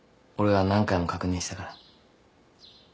俺が何回も確認したから。